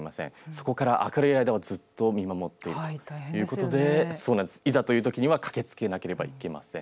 そこから明るい間はずっと見守っているということでいざというときには駆けつけなければいけません。